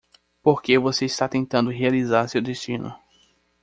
Porque você está tentando realizar seu destino.